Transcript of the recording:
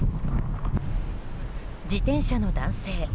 自転車の男性。